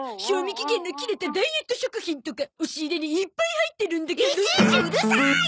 賞味期限の切れたダイエット食品とか押し入れにいっぱい入ってるんだから。